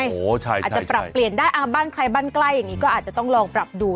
อาจจะปรับเปลี่ยนได้บ้านใครบ้านใกล้อย่างนี้ก็อาจจะต้องลองปรับดู